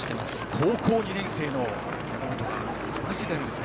高校２年生の山本がすばらしいタイムですね。